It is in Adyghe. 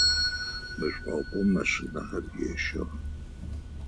Мэшӏокум машинэхэр ещэх.